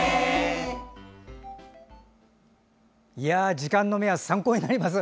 時間の目安参考になります。